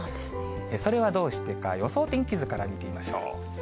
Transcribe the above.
それはどうしてか、予想天気図から見てみましょう。